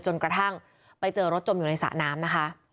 กระทั่งไปเจอรถจมอยู่ในสระน้ำนะคะ